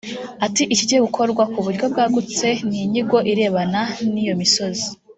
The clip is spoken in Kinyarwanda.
Ati “Ikigiye gukorwa ku buryo bwagutse ni inyigo irebana n’iyo misozi